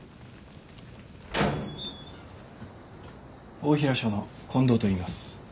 大平署の近藤といいます。